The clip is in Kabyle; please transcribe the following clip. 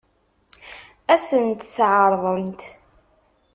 Ad sent-t-ɛeṛḍent?